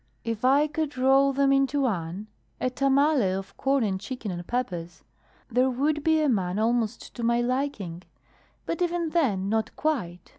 If I could roll them into one a tamale of corn and chicken and peppers there would be a man almost to my liking. But even then not quite.